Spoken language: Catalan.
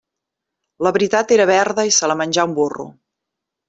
La veritat era verda i se la menjà un burro.